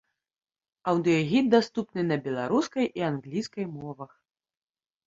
Аўдыёгід даступны на беларускай і англійскай мовах.